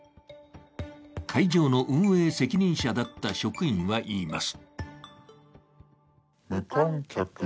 会場の運営責任者だった職員は言います。